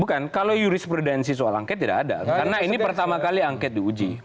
bukan kalau jurisprudensi soal angket tidak ada karena ini pertama kali angket diuji